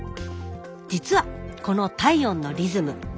実はこの体温のリズム